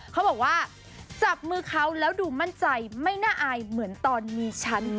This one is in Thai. เขาบอกว่าจับมือเขาแล้วดูมั่นใจไม่น่าอายเหมือนตอนมีฉัน